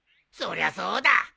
そりゃそうだ。